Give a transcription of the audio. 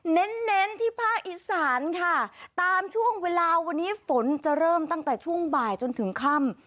เน้นเน้นที่ภาคอีสานค่ะตามช่วงเวลาวันนี้ฝนจะเริ่มตั้งแต่ช่วงบ่ายจนถึงค่ำ